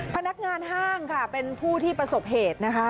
พนักงานห้างค่ะเป็นผู้ที่ประสบเหตุนะคะ